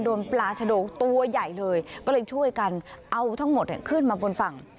ปลาชะโดงตัวใหญ่เลยก็เลยช่วยกันเอาทั้งหมดขึ้นมาบนฝั่ง